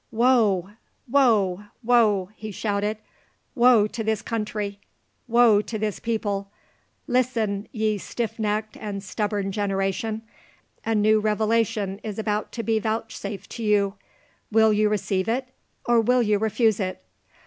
"Woe! woe! woe!" he shouted, "woe to this country! woe to this people! Listen, ye stiff necked and stubborn generation! A new revelation is about to be vouchsafed to you; will you receive it, or will you refuse it?